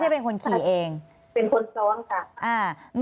อันดับที่สุดท้าย